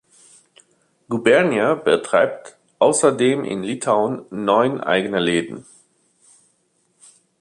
Gubernija betreibt außerdem in Litauen neun eigene Läden.